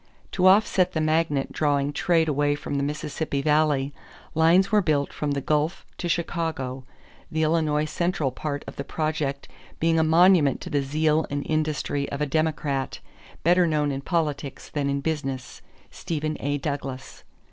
To offset the magnet drawing trade away from the Mississippi Valley, lines were built from the Gulf to Chicago, the Illinois Central part of the project being a monument to the zeal and industry of a Democrat, better known in politics than in business, Stephen A. Douglas.